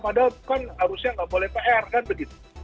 padahal kan harusnya nggak boleh pr kan begitu